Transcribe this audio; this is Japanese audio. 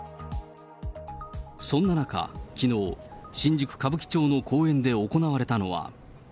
そんな中きのう、新宿・歌舞伎町の公園で行われたのは。